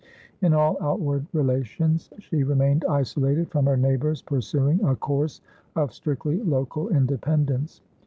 In all outward relations she remained isolated from her neighbors, pursuing a course of strictly local independence.